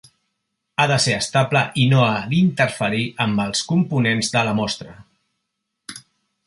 Ha de ser estable i no ha d'interferir amb els components de la mostra.